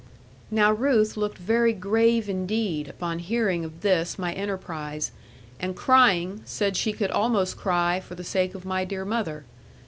Now Ruth looked very grave indeed, upon hearing of this my enterprise; and crying, said she could almost cry, for the sake of my dear mother.